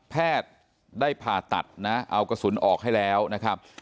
แพทย์ได้ผ่าตัดนะเอากระสุนออกให้แล้วนะครับ